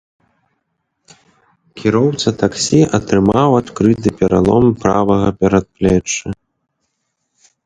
Кіроўца таксі атрымаў адкрыты пералом правага перадплечча.